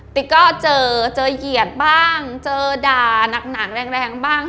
ติ๊กก็เจอเจอเหยียดบ้างเจอด่านักหนังแรงบ้าง